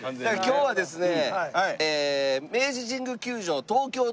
今日はですね。